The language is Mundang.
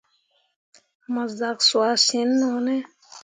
Mo zak cuah sin no ne ?